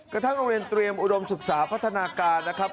กระทั่งโรงเรียนเตรียมอุดมศึกษาพัฒนาการนะครับ